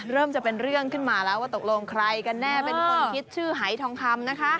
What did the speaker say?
เริ่มจะเป็นเรื่องขึ้นมาแล้วว่าตกลงใครกันแน่เป็นคนคิดชื่อหายทองคำนะคะ